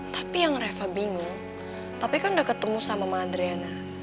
tapi yang reva bingung papi kan udah ketemu sama mama adriana